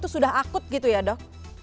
sudah akut ya dok